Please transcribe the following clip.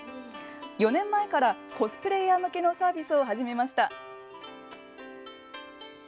４年前からコスプレイヤー向けのサービスを始めました。